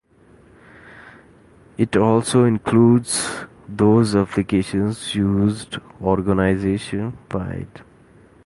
It also includes those "applications" used organization-wide.